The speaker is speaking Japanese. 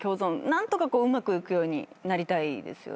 何とかうまくいくようになりたいですね。